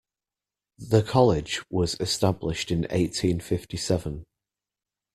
The college was established in eighteen fifty seven.